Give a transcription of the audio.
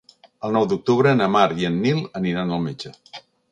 El nou d'octubre na Mar i en Nil aniran al metge.